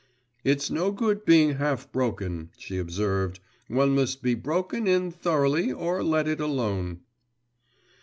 'It's no good being half broken,' she observed; 'one must be broken in thoroughly or let it alone.